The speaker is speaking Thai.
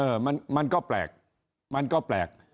มันก็แปลกมันก็แปลก